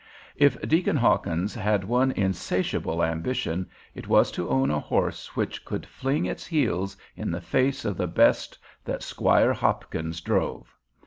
If Deacon Hawkins had one insatiable ambition it was to own a horse which could fling its heels in the face of the best that Squire Hopkins drove.